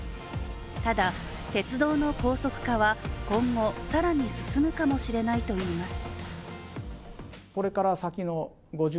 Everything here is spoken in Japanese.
ただ、鉄道の高速化は今後、更に進むかもしれないといいます。